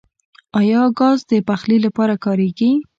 آیا ګاز د پخلي لپاره کاریږي؟